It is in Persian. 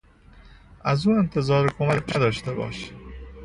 از او انتظار کمک نداشته باش!